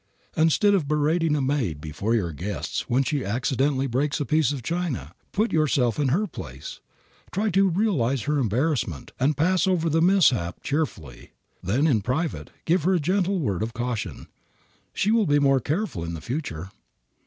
Instead of berating a maid before your guests when she accidentally breaks a piece of china, put yourself in her place, try to realize her embarrassment, and pass over the mishap cheerfully. Then, in private, give her a gentle word of caution. She will be more careful in the future.